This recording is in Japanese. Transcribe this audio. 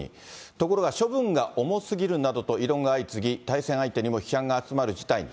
ところが処分が重すぎるなどと異論が相次ぎ、対戦相手にも批判が集まる事態に。